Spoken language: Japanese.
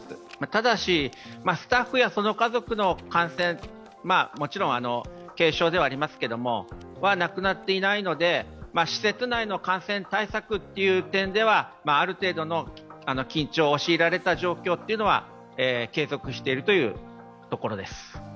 ただしスタッフやその家族の感染、もちろん、軽症ではありますけどなくなっていないので施設内の感染対策という点ではある程度の緊張を強いられた状況というのは継続しているところです。